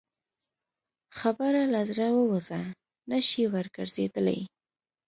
خبره له زړه ووځه، نه شې ورګرځېدلی.